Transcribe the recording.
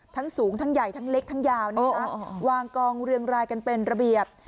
ทั้งสูงทั้งใหญ่ทั้งเล็กทั้งยาวนะคะวางกองเรียงรายกันเป็นระเบียบ